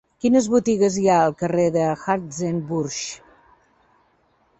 Quines botigues hi ha al carrer de Hartzenbusch?